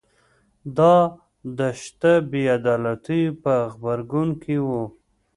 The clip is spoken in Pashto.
دا د شته بې عدالتیو په غبرګون کې و